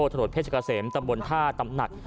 ถนนเพชรเกษมตำบลท่าตำหนัก